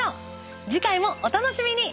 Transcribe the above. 次回もお楽しみに。